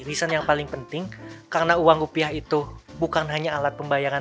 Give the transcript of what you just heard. reason yang paling penting karena uang rupiah itu bukan hanya alat pembayaran